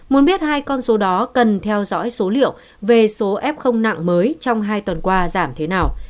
muốn biết hai con số đó cần theo dõi số liệu về số f nặng mới trong hai tuần qua giảm thế nào